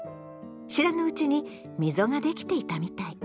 知らぬうちに溝が出来ていたみたい。